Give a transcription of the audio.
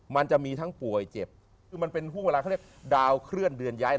มันจะมีทั้งป่วยเจ็บคือมันเป็นห่วงเวลาเขาเรียกดาวเคลื่อนเดือนย้าย